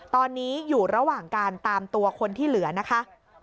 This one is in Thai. ตอนนี้อยู่ระหว่างการตามตัวคนที่เหลือนะคะ